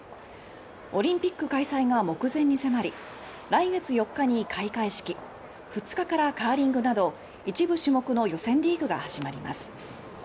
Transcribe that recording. オリンピック開催が目前に迫り４日に開会式２日からカーリングなど一部種目の予選リーグが始まります。